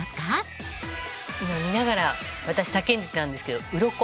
今見ながら私叫んでたんですけど。